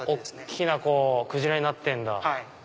大っきなクジラになってるんだ。